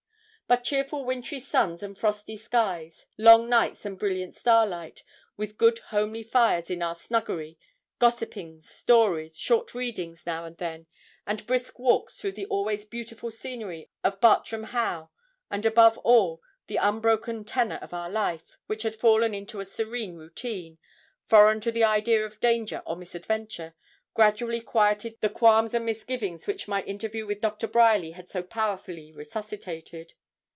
But cheerful wintry suns and frosty skies, long nights, and brilliant starlight, with good homely fires in our snuggery gossipings, stories, short readings now and then, and brisk walks through the always beautiful scenery of Bartram Haugh, and, above all, the unbroken tenor of our life, which had fallen into a serene routine, foreign to the idea of danger or misadventure, gradually quieted the qualms and misgivings which my interview with Doctor Bryerly had so powerfully resuscitated.